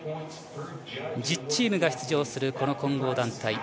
１０チームが出場する混合団体。